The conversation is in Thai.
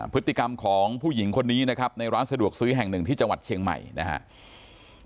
พฤติกรรมของผู้หญิงคนนี้นะครับในร้านสะดวกซื้อแห่งหนึ่งที่จังหวัดเชียงใหม่นะครับ